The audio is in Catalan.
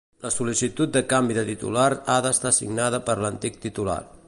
La sol·licitud de canvi de titular ha d'estar signada per l'antic titular.